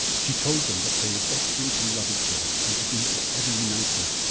She told them that they were destined to love each other, and to be for ever united.